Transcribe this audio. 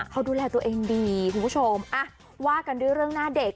เขาดูแลตัวเองดีคุณผู้ชมอ่ะว่ากันด้วยเรื่องหน้าเด็ก